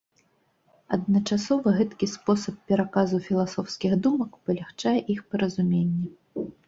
Адначасова гэткі спосаб пераказу філасофскіх думак палягчае іх паразуменне.